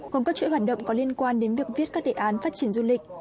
gồm các chuỗi hoạt động có liên quan đến việc viết các đề án phát triển du lịch